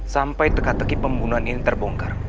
sampai teka teki pembunuhan ini terbongkar